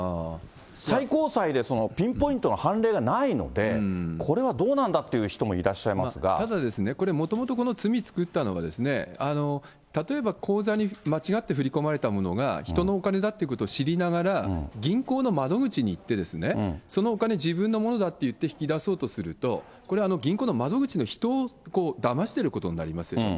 最高裁で、ピンポイントの判例がないので、これはどうなんだといただですね、これ、もともとこの罪作ったのは、例えば、口座に間違って振り込まれたものが、人のお金だっていうことを知りながら、銀行の窓口に行って、そのお金、自分のものだって言って引き出そうとすると、これ、銀行の窓口の人をだましてることになりますでしょ。